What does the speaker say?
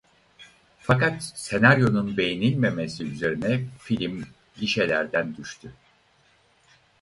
Fakat senaryonun beğenilmemesi üzerine film gişelerden düştü.